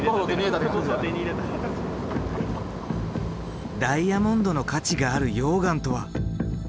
ダイヤモンドの価値がある溶岩とは？